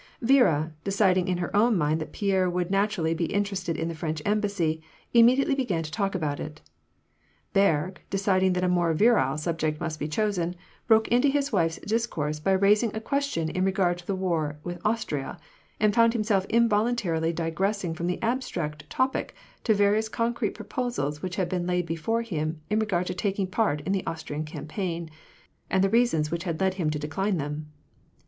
Viera, deciding in her own mind that Pierre would natu rally be interested in the French embassy, immediately began to talk about it. Berg, deciding that a more virile subject must be chosen, broke into his wife's discourse by raising a question in regard to the war with Austria ; and found himself involuntarily digressing from the abstract topic to various con crete proposals which had been laid before him in regard to taking part in the Austrian campaign, and the reasons which had led him to decline them.